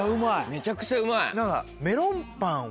めちゃくちゃうまい。